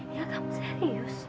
ya kamu serius